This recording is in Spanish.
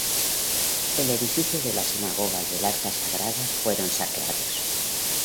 El edificio de la sinagoga y el arca sagrada fueron saqueados.